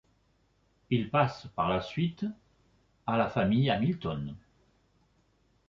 Il passe par la suite à la famille Hamilton.